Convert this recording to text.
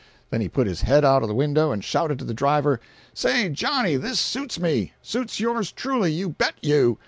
Then he put his head out of the window, and shouted to the driver: "Say, Johnny, this suits me!—suits yours truly, you bet, you!